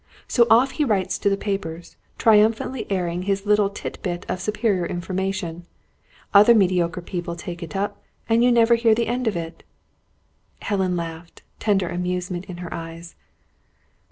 So off he writes to the papers, triumphantly airing his little tit bit of superior information; other mediocre people take it up and you never hear the end of it." Helen laughed, tender amusement in her eyes.